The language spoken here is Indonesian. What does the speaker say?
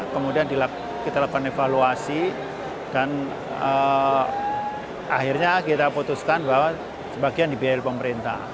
kemudian kita lakukan evaluasi dan akhirnya kita putuskan bahwa sebagian dibiayai pemerintah